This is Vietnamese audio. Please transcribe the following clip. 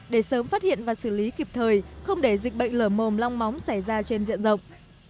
để sớm phát hiện và xử lý kịp thời không để dịch bệnh lở mồm long móng xảy ra trên diện rộng